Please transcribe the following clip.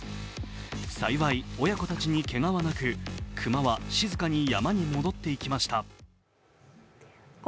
幸い親子たちにけがはなく熊は静かに山に戻っていきました。